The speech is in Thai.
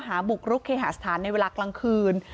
บุกรุกเคหาสถานในเวลากลางคืน